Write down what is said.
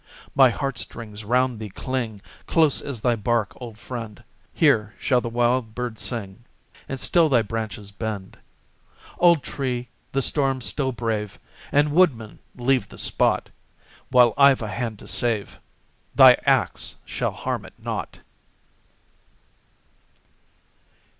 My heart strings round thee cling, Close as thy bark, old friend! Here shall the wild bird sing, And still thy branches bend. Old tree! the storm still brave! And, woodman, leave the spot; While I've a hand to save, Thy ax shall harm it not!